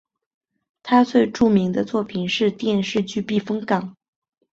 他最著名的作品是电视剧避风港。